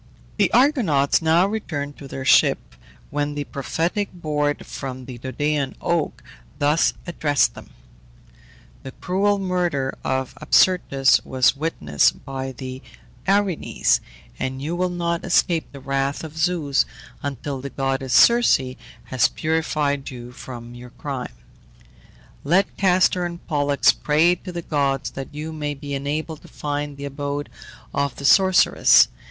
The Argonauts now returned to their ship, when the prophetic board from the Dodonean oak thus addressed them: "The cruel murder of Absyrtus was witnessed by the Erinyes, and you will not escape the wrath of Zeus until the goddess Circe has purified you from your crime. Let Castor and Pollux pray to the gods that you may be enabled to find the abode of the sorceress."